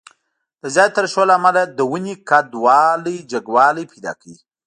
د زیاتې ترشح له امله د ونې قد جګوالی پیدا کوي.